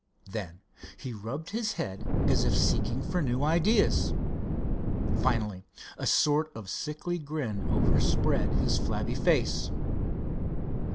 Then he rubbed his head as if seeking for new ideas. Finally a sort of sickly grin overspread his flabby face.